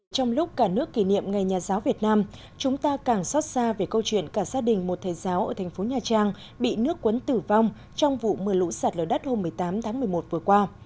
trong lúc cả nước kỷ niệm ngày nhà giáo việt nam chúng ta càng xót xa về câu chuyện cả gia đình một thầy giáo ở thành phố nhà trang bị nước quấn tử vong trong vụ mưa lũ sạt lở đất hôm một mươi tám tháng một mươi một vừa qua